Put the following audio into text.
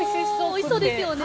おいしそうですよね。